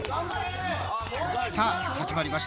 さあ始まりました。